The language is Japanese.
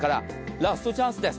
ラストチャンスです。